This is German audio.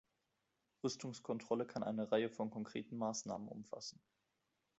Rüstungskontrolle kann eine Reihe von konkreten Maßnahmen umfassen.